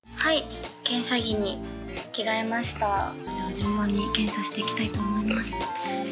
順番に検査していきたいと思います。